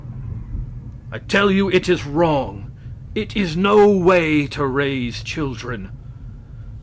I tell you it is wrong; it is no way to raise children!